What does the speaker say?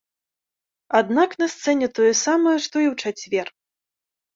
Аднак, на сцэне тое самае, што і ў чацвер.